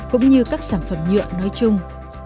cũng như các sản phẩm nhựa nói chung